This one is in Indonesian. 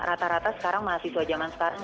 rata rata sekarang mahasiswa zaman sekarang